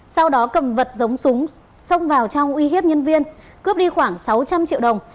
sau đó cầm vật giống súng xông vào trong uy hiếp nhân viên cướp đi khoảng sáu trăm linh triệu đồng